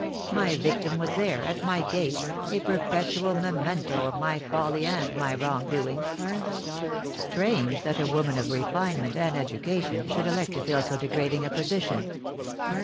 My victim was there, at my gates, a perpetual memento of my folly and my wrong doing." "Strange that a woman of refinement and education should elect to fill so degrading a position!"